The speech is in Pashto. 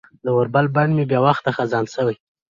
د اوربل بڼ مې بې وخته خزان شوی